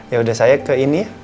ya udah saya ke ini